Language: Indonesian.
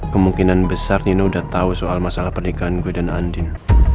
kemungkinan besar nino udah tahu soal masalah pernikahan gue dan andin